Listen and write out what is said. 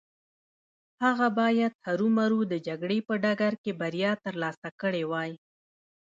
هغه بايد هرو مرو د جګړې په ډګر کې بريا ترلاسه کړې وای.